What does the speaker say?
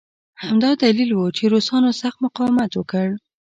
همدا دلیل و چې روسانو سخت مقاومت وکړ